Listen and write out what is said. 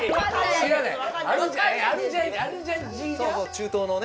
中東のね。